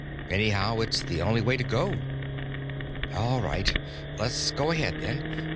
Anyhow it's the only way to go." "All right. Let's go ahead, then.